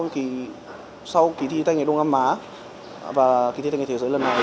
thì sau kỳ thi tài nghề đông nam á và kỳ thi tài nghề thế giới lần này